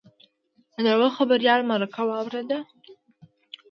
د یوه خبریال مرکه واورېده.